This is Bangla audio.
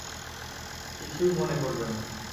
কিছুই মনে করবে না।